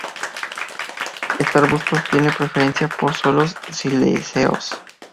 Este arbusto tiene preferencia por suelos silíceos.